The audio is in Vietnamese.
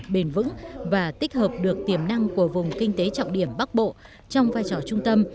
bền vững và tích hợp được tiềm năng của vùng kinh tế trọng điểm bắc bộ trong vai trò trung tâm